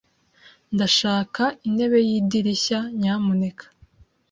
Ndashaka intebe yidirishya, nyamuneka.